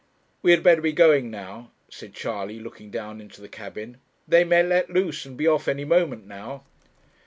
'We had better be going now,' said Charley, looking down into the cabin; 'they may let loose and be off any moment now.'